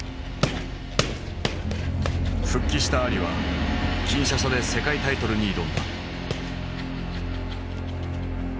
復帰したアリはキンシャサで世界タイトルに挑んだ。